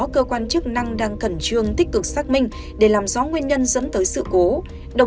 cơ quan chức năng đang khẩn trương tích cực xác minh để làm rõ nguyên nhân dẫn tới sự cố